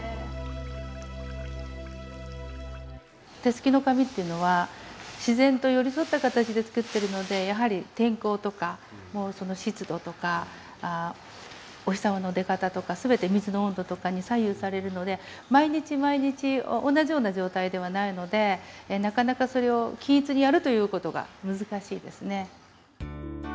手漉きの紙っていうのは自然と寄り添った形で作ってるのでやはり天候とか湿度とかお日様の出方とか全て水の温度とかに左右されるので毎日毎日同じような状態ではないのでなかなかそれを均一にやるという事が難しいですね。